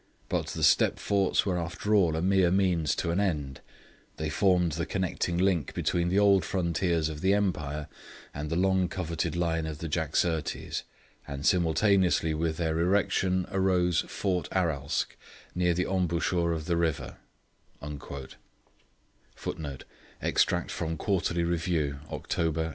But the Steppe forts were after all a mere means to an end; they formed the connecting link between the old frontiers of the empire and the long coveted line of the Jaxartes, and simultaneously with their erection arose Fort Aralsk, near the embouchure of the river.'